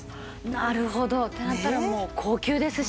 なるほど。ってなったらもう高級ですしね。